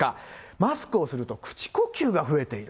マスクをすると口呼吸が増えている。